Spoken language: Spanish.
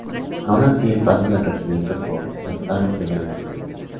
Aun así, el paso del regimiento por Lautaro fue breve.